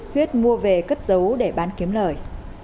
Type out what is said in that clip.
thuyết mua về cất giấu để bán kiếm lời